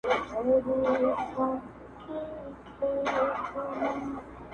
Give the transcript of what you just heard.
د ژوند معنا ګډوډه کيږي تل,